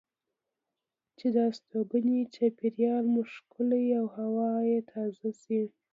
چې د استوګنې چاپیریال مو ښکلی او هوا یې تازه شي.